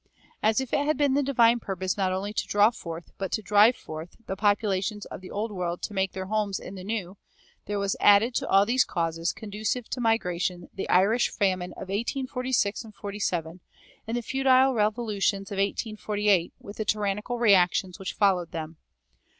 As if it had been the divine purpose not only to draw forth, but to drive forth, the populations of the Old World to make their homes in the New, there was added to all these causes conducive to migration the Irish famine of 1846 47, and the futile revolutions of 1848, with the tyrannical reactions which followed them.